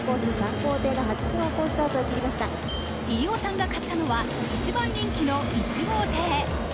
飯尾さんが買ったのは一番人気の１号艇。